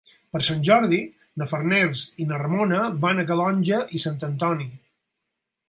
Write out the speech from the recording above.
Per Sant Jordi na Farners i na Ramona van a Calonge i Sant Antoni.